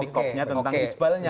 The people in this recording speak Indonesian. tidak perlu menyebut tentang isbalnya